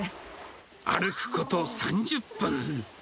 歩くこと３０分。